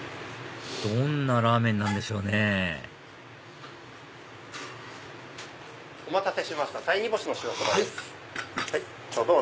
どんなラーメンなんでしょうねお待たせしました鯛煮干しの塩そばです。